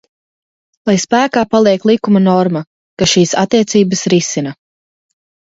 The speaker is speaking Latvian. Lai spēkā paliek likuma norma, kas šīs attiecības risina.